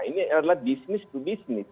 ini adalah bisnis to bisnis